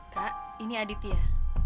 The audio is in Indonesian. kak ini aditya